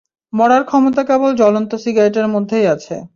মারার ক্ষমতা কেবল জ্বলন্ত সিগারেটের মধ্যেই আছে।